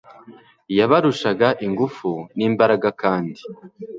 yabarushaga ingufu nimbaraga kandi